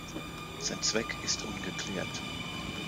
Sein Zweck ist ungeklärt.